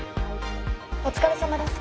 お疲れさまです。